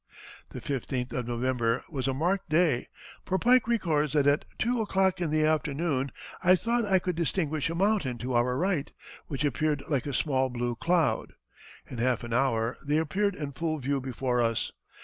The 15th of November was a marked day, for Pike records that "at two o'clock in the afternoon I thought I could distinguish a mountain to our right, which appeared like a small blue cloud.... In half an hour they appeared in full view before us.